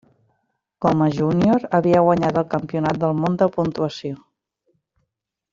Com a júnior, havia guanyat el campionat del món de puntuació.